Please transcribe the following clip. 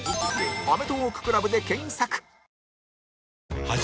「アメトーーク ＣＬＵＢ」で検索